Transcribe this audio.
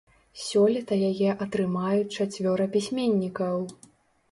Сёлета яе атрымаюць чацвёра пісьменнікаў.